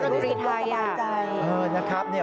รู้ที่จะใจ